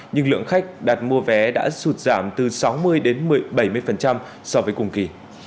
nhưng lượng khách đặt mua vé đã sụt giảm từ sáu mươi đến bảy mươi so với cùng kỳ